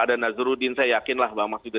ada nazruddin saya yakin lah bang max juga